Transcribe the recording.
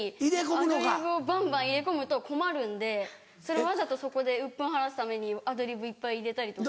アドリブをバンバン入れ込むと困るんでわざとそこで鬱憤晴らすためにアドリブいっぱい入れたりとか。